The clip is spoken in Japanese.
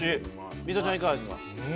水卜ちゃん、いかがですか？